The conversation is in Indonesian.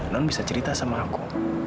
non bisa cerita sama aku